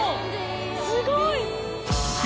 すごい！